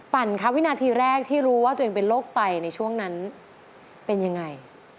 ปั่นคะวินาทีแรกที่รู้ว่าตัวเองเป็นโรคไตในช่วงนั้นเป็นยังไง